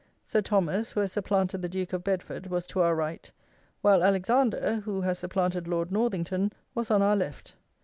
Sir Thomas, who has supplanted the Duke of Bedford, was to our right, while Alexander, who has supplanted Lord Northington, was on our left.